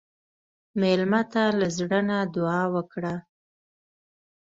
مېلمه ته له زړه نه دعا وکړه.